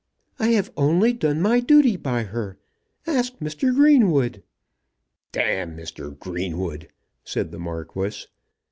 I have only done my duty by her. Ask Mr. Greenwood." "D Mr. Greenwood!" said the Marquis.